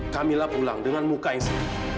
kamila pulang dengan muka yang sedih